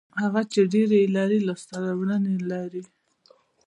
هغه چې ډېر یې لري لاسته راوړنې لري.